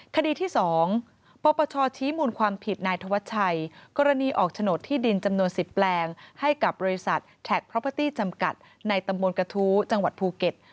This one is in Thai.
คดีที่๒ปปชชี้มูลความผิดนายธวัชชัยกรณีออกโฉนดที่ดินจำนวน๑๐แปลงให้กับบริษัทแท็กเพราะพาตี้จำกัดในตำบลกระทู้จังหวัดภูเก็ต